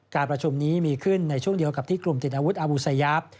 การประชุมนี้มีขึ้นในช่วงเดียวกับที่กลุ่มติดอาวุธอาวุสยาป